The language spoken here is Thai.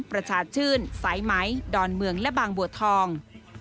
ประชาชื่นสายไหมดอนเมืองและบางบัวทอง